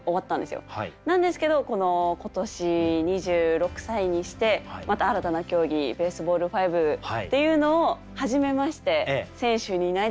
なんですけど今年２６歳にしてまた新たな競技Ｂａｓｅｂａｌｌ５っていうのを始めまして選手になり